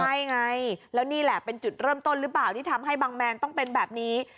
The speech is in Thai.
ใช่ไงแล้วนี่แหละเป็นจุดเริ่มต้นหรือเปล่าที่ทำให้บังแมนต้องเป็นแบบนี้